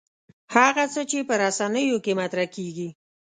هغه څه چې په رسنیو کې مطرح کېږي.